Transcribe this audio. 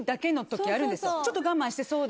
ちょっと我慢して。